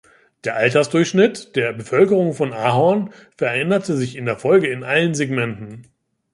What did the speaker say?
Der Altersdurchschnitt der Bevölkerung von Ahorn veränderte sich in der Folge in allen Segmenten.